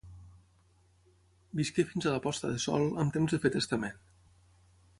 Visqué fins a la posta de sol amb temps de fer testament.